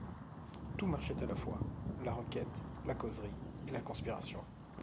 Tout marchait à la fois, la requête, la causerie et la conspiration.